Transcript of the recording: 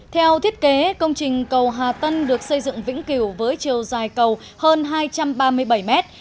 theo thiết kế công trình cầu hà tân được xây dựng vĩnh cửu với chiều dài cầu hơn hai trăm ba mươi bảy mét